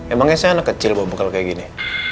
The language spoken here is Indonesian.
emangnya saya anak kecil bawa bengkel kayak gini